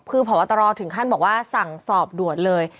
คือผอบตรถึงขั้นบอกว่าสั่งสอบด่วนเลย